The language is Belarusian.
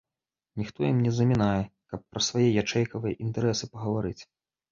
Ніхто ім не замінае, каб пра свае ячэйкавыя інтарэсы пагаварыць.